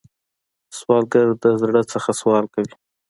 سوالګر د زړه نه سوال کوي